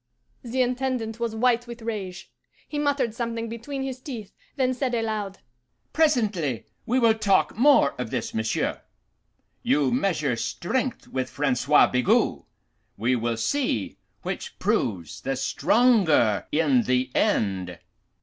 "The Intendant was white with rage. He muttered something between his teeth, then said aloud, 'Presently we will talk more of this, monsieur. You measure strength with Francois Bigot: we will see which proves the stronger in the end.